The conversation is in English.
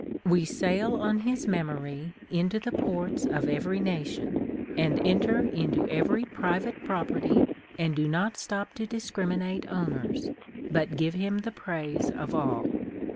We sail on his memory into the ports of every nation, enter into every private property, and do not stop to discriminate owners, but give him tlie praise of all.